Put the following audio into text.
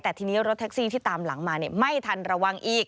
แต่ทีนี้รถแท็กซี่ที่ตามหลังมาไม่ทันระวังอีก